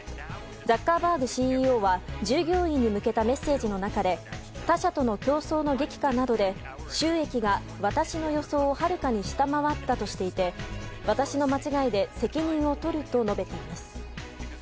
ザッカーバーグＣＥＯは従業員に向けたメッセージの中で他社との競争の激化などで収益が私の予想をはるかに下回ったとして私の間違いで責任を取ると述べています。